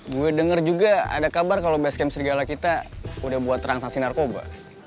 gue denger juga ada kabar kalo basecamp serigala kita udah buat transaksi narkoba